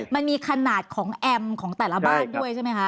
มันมีขนาดของแอมป์ของแต่ละบ้านด้วยใช่ไหมคะ